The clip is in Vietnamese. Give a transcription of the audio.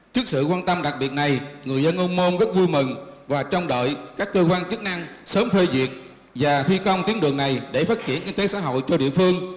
trước sự quan tâm đặc biệt này người dân âu môn rất vui mừng và trông đợi các cơ quan chức năng sớm phê duyệt và thi công tiến đường này để phát triển kinh tế xã hội cho địa phương